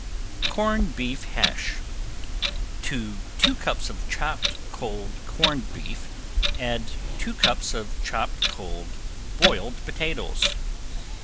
~CORNED BEEF HASH~ To two cups of chopped cold corned beef, add two cups of chopped cold boiled potatoes.